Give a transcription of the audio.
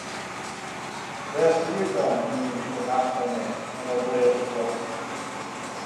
Dêr stie ik dan yn myn wite nachtklean en op bleate fuotten.